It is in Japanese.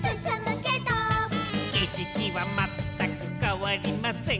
「けしきはまったくかわりません」